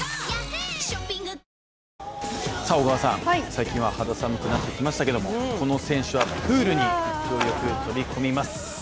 最近は肌寒くなってきましたけれども、この選手はプールに勢いよく飛び込みます。